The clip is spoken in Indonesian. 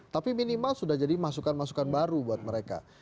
tapi minimal sudah jadi masukan masukan baru buat mereka